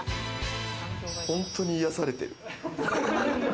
本当に癒やされてる。